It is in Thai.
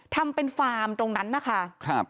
ทำเป็นฟาร์มตรงนั้นนะคะ